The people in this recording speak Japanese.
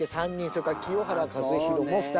それから清原和博も２人。